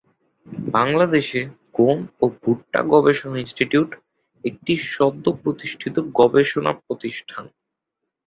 বাংলাদেশ গম ও ভুট্টা গবেষণা ইনস্টিটিউট একটি সদ্য প্রতিষ্ঠিত গবেষণা প্রতিষ্ঠান।